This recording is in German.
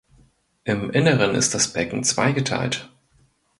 Im Inneren ist das Becken zweigeteilt.